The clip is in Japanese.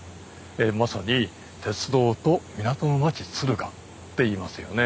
まさに鉄道と港の町敦賀って言いますよね。